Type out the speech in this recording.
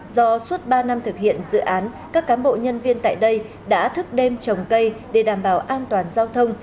do suốt ba năm thực hiện dự án các cán bộ nhân viên tại đây đã thức đêm trồng cây để đảm bảo an toàn giao thông